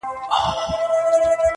چي یې وکتل پر کټ باندي څوک نه وو -